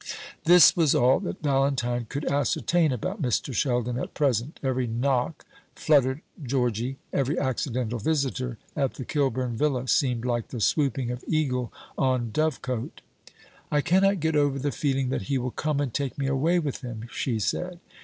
This was all that Valentine could ascertain about Mr. Sheldon at present. Every knock fluttered Georgy; every accidental visitor at the Kilburn villa seemed like the swooping of eagle on dovecote. "I cannot get over the feeling that he will come and take me away with him," she said.